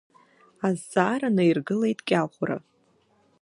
Азҵаара наиргылеит Кьаӷәра.